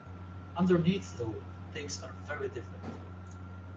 Underneath, though, things are very different.